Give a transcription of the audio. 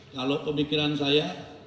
kalau pemikiran saya